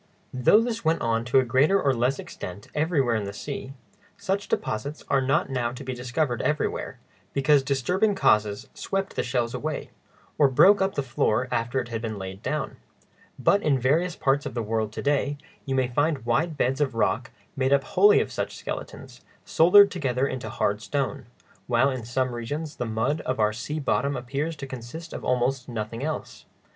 Though this went on to a greater or less extent everywhere in the sea, such deposits are not now to be discovered everywhere, because disturbing causes swept the shells away, or broke up the floor after it had been laid down; but in various parts of the world to day, you may find wide beds of rock made up wholly of such skeletons, soldered together into hard stone; while in some regions the mud of our sea bottom appears to consist of almost nothing else.